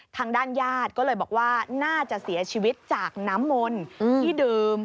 ทางด้านญาติก็เลยบอกว่าน่าจะเสียชีวิตจากน้ำมนต์ที่ดื่ม